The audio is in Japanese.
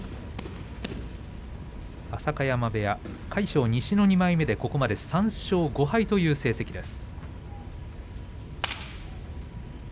浅香山部屋、魁勝、西の２枚目でここまで３勝５敗という成績です。